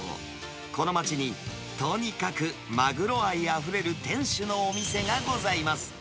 この街に、とにかくマグロ愛あふれる店主のお店がございます。